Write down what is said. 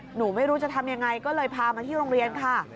หนูไม่รู้จะทำยังไงก็เลยพามาที่โรงเรียนค่ะ